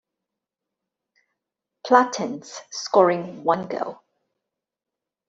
Platense, scoring one goal.